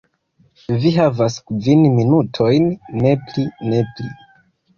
Vi havas kvin minutojn. Ne pli. Ne pli."